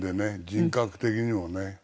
人格的にもね。